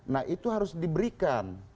nah itu harus diberikan